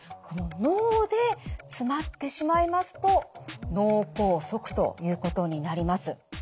この脳で詰まってしまいますと脳梗塞ということになります。